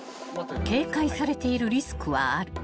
［警戒されているリスクはある］